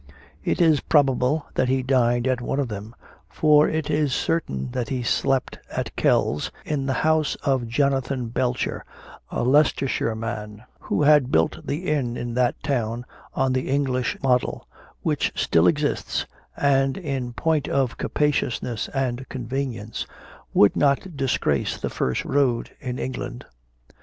It is probable that he dined at one of them, for it is certain that he slept at Kells, in the house of Jonathan Belcher, a Leicestershire man, who had built the inn in that town on the English model, which still exists, and, in point of capaciousness and convenience, would not disgrace the first road in England.